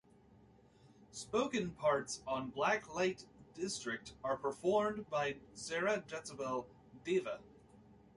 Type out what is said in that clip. Spoken parts on "Black Light District" are performed by Sarah Jezebel Deva.